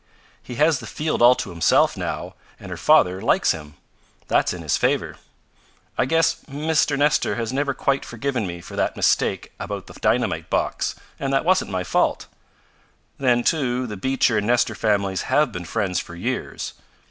"He has the field all to himself now, and her father likes him. That's in his favor. I guess Mr. Nestor has never quite forgiven me for that mistake about the dynamite box, and that wasn't my fault. Then, too, the Beecher and Nestor families have been friends for years.